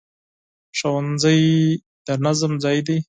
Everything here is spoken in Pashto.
ښوونځی د نظم ځای دی